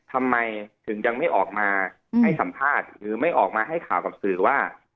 ทำไมถึงยังไม่ออกมาให้สัมภาษณ์หรือไม่ออกมาให้ข่าวกับสื่อว่า